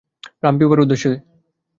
রাম পিপার দ্বীপের উদ্দেশ্যে।